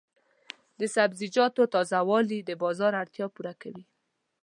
د سبزیجاتو تازه والي د بازار اړتیا پوره کوي.